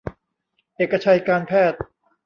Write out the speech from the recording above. เอกชัยการแพทย์